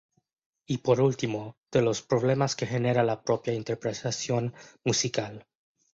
Y por último, de los problemas que genera la propia interpretación musical.